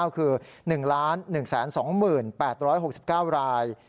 คือ๑๑๒๘๖๙ราย